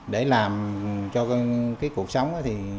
để làm cho cuộc sống